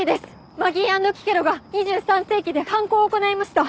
マギー＆キケロが２３世紀で犯行を行ないました。